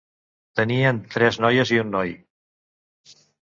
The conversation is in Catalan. Tenien tres noies i un noi.